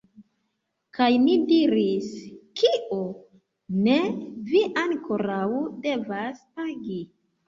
Kaj ni diris: Kio? Ne, vi ankoraŭ devas pagi.